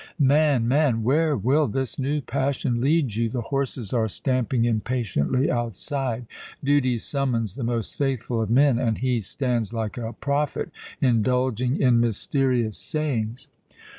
"Man, man! Where will this new passion lead you? The horses are stamping impatiently outside; duty summons the most faithful of men, and he stands like a prophet, indulging in mysterious sayings!"